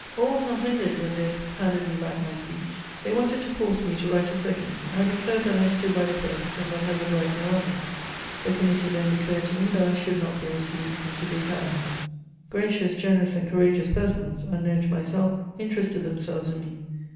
All was not ended when they had handed me back my speech; they wanted to force me to write a second. I declared that I stood by the first, and that I would write no other. The committee then declared to me that I should not be received into the Academy. Gracious, generous and courageous persons, unknown to myself, interested themselves in me.